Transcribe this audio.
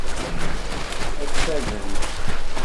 Ad ffadent.